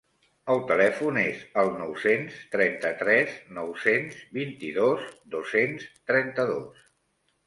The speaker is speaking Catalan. El telèfon és el nou-cents trenta-tres nou-cents vint-i-dos dos-cents trenta-dos.